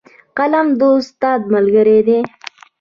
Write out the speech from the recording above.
قلم د استاد ملګری دی